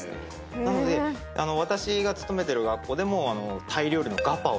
なので私が勤めてる学校でもタイ料理のガパオとか。